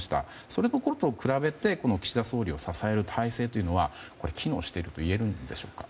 そのころと比べて岸田総理を支える体制というのは機能しているといえるんでしょうか。